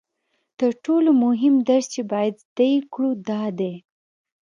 تر ټولو مهم درس چې باید زده یې کړو دا دی